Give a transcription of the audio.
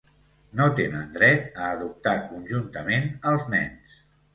No tenen dret a adoptar conjuntament als nens.